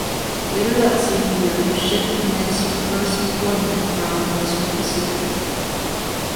Later that same year the ship commenced her first deployment around the western Pacific.